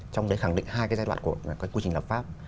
trong đấy khẳng định hai cái giai đoạn của các quy trình lập pháp